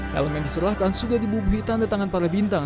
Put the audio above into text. helm yang diserahkan sudah dibubuhi tanda tangan para bintang